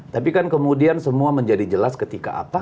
tapi kan kemudian semua menjadi jelas ketika apa